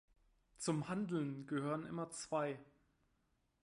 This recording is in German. Zum Handeln gehören immer zwei.